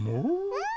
うん。